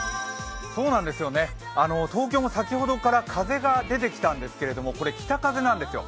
東京も先ほどから風が出てきたんですが、これは北風なんですよ。